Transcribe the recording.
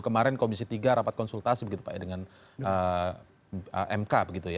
kemarin komisi tiga rapat konsultasi dengan mk